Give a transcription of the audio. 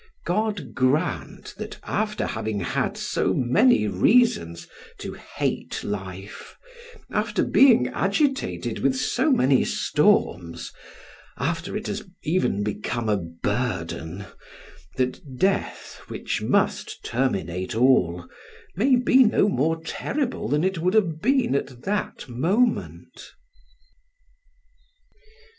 God grant, that after having had so many reasons to hate life, after being agitated with so many storms, after it has even become a burden, that death, which must terminate all, may be no more terrible than it would have been at that moment!